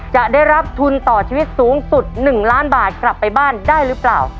จะได้รับทุนต่อชีวิตสูงสุด๑ล้านบาทกลับไปบ้านได้หรือเปล่า